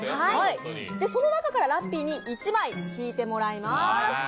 その中からラッピーに１枚引いてもらいます。